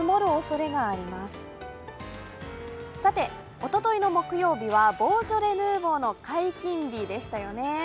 おとといの木曜日はボージョレ・ヌーボーの解禁日でしたよね。